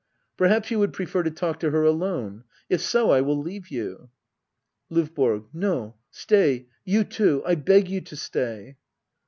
Perhaps you would prefer to talk to her alone ? If so, I will leave you. LdVBORO. No, stay — ^you too. I beg you to stay.